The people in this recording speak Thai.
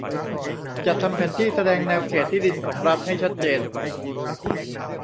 จัดทำแผนที่แสดงแนวเขตที่ดินของรัฐให้ชัดเจน